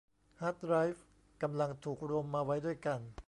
ฮาร์ดไดรฟ์กำลังถูกรวมมาไว้ด้วยกัน